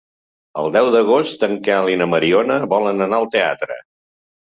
El deu d'agost en Quel i na Mariona volen anar al teatre.